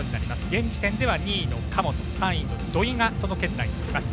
現時点では２位の神本と３位の土井がその圏内にいます。